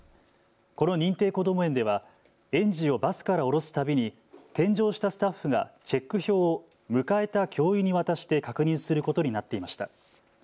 この認定こども園では園児をバスから降ろすたびにに添乗したスタッフがチェック表を迎えた教諭に渡して確認することになっていました。